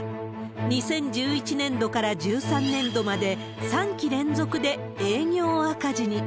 ２０１１年度から１３年度まで、３期連続で営業赤字に。